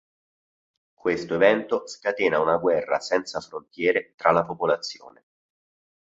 Questo evento scatena una guerra senza frontiere tra la popolazione.